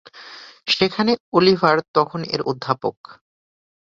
সেখানে অলিভার তখন এক অধ্যাপক।